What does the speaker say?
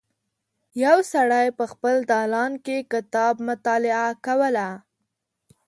یو سړی په خپل دالان کې کتاب مطالعه کوله.